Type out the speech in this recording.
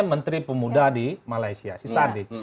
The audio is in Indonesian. saya menteri pemuda di malaysia si sadiq